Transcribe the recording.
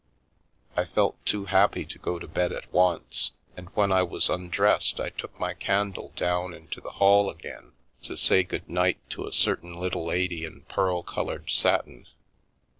I felt too happy to go to bed at once, and when I was undressed I took my candle down into the hall again to say good night to a certain little lady in pearl coloured satin.